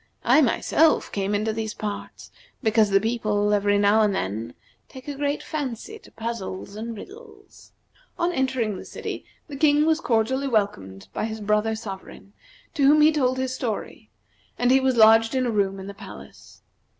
I, myself, came into these parts because the people every now and then take a great fancy to puzzles and riddles." On entering the city, the King was cordially welcomed by his brother sovereign, to whom he told his story; and he was lodged in a room in the palace.